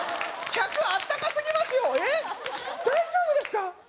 客あったかすぎますよ大丈夫ですか？